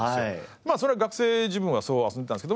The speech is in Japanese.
まあそれは学生自分は遊んでたんですけども。